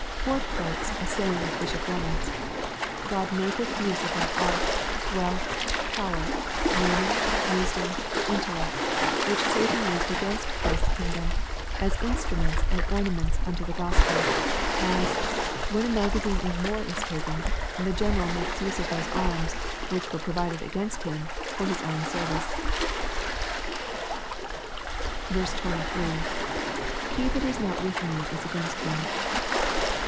Ford quotes a saying of Bishop Reynolds :" Gk)d maketh use of that art, wealth, power, learning, wisdom, intellect, which Satan used against Christ's kingdom, as instruments and orna ments unto the Gospel ; as, when a magazine in war is taken, the General makes use of those arms, which were provided against him, for his own service." 23. — [He that is not with me is against me.